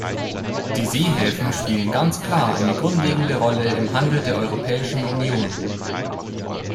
Die Seehäfen spielen ganz klar eine grundlegende Rolle im Handel der Europäischen Union.